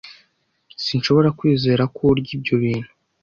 Sinshobora kwizera ko urya ibyo bintu.